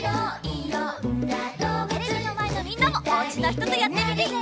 テレビのまえのみんなもおうちのひととやってみてね！